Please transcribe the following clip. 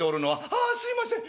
「ああすいません。